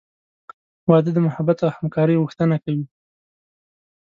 • واده د محبت او همکارۍ غوښتنه کوي.